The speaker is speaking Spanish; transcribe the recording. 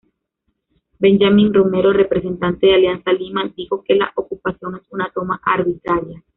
Benjamín Romero, representante de Alianza Lima, dijo que la ocupación es una "toma arbitraria".